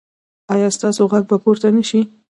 ایا ستاسو غږ به پورته نه شي؟